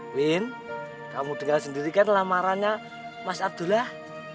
win kamu dengar sendiri kan lamarannya mas abdullah